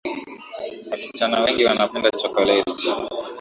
Wasichana wengi wanapenda chokoleti